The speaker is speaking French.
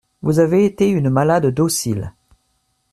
Vous avez été une malade docile.